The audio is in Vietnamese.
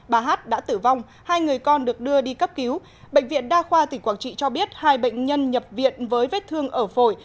bà hát đã tử vong hai người con được đưa đi cấp cứu bệnh viện đa khoa tỉnh quảng trị cho biết hai bệnh nhân nhập viện với vết thương ở phổi